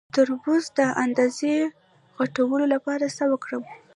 د تربوز د اندازې غټولو لپاره څه وکړم؟